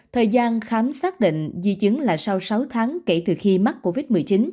thời gian khám xác định di chứng là sau sáu tháng kể từ khi mắc covid một mươi chín